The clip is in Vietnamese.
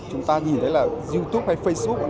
chúng ta nhìn thấy là youtube hay facebook